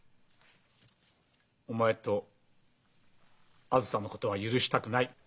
お前とあづさのことは許したくない。